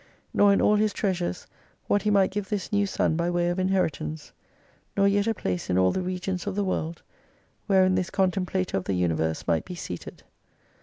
Nor in all His treasures what He might give this new son by way of inheritance, nor yet a place in all the regions of the world, wherein this contemplator of the universe might be seated.